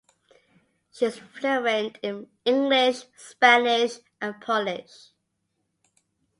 She is fluent in English, Spanish, and Polish.